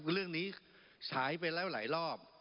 คือเรื่องนี้ฉายไปแล้วหลายรอบ